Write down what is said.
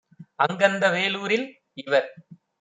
அங்கந்த வேலூரில் - இவர்